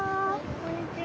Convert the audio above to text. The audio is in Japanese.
こんにちは。